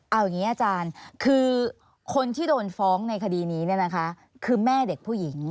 เอาอย่างนี้อาจารย์คือคนที่โดนฟ้องในคดีนี้คือแม่เด็กผู้หญิง